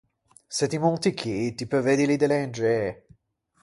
Se ti monti chì ti peu veddili de lengê.